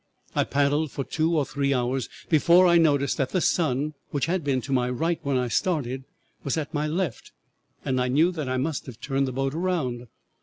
I paddled for two or three hours before I noticed that the sun, which had been to my right when I started, was at my left, and I knew that I must have turned the boat around.